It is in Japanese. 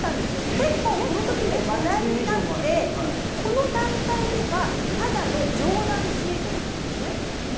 結構、この時も話題になってこの段階ではただの冗談ツイートだったんです。